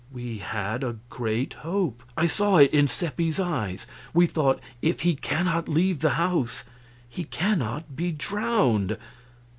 We had a great hope! I saw it in Seppi's eyes. We thought, "If he cannot leave the house, he cannot be drowned."